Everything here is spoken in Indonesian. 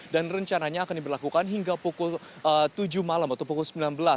dan rencananya akan diberlakukan hingga pukul tujuh malam atau pukul sembilan belas